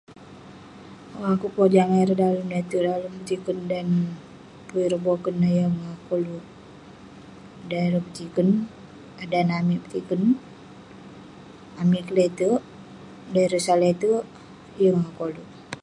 Mauwk akeuk pojah ngan ireh dalam le'terk, dalem tikern, dan pun ireh boken neh yeng akeuk koluk.. dan ireh petikern, dan amik petikern, amik kle'terk..dan ireh sat le'terk, yeng akeuk koluk.